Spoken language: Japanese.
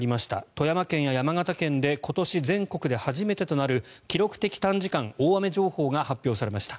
富山県や山形県で今年、全国で初めてとなる記録的短時間大雨情報が発表されました。